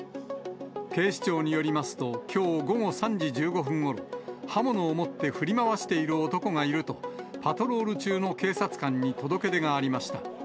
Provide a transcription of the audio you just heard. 警視庁によりますと、きょう午後３時１５分ごろ、刃物を持って振り回している男がいると、パトロール中の警察官に届け出がありました。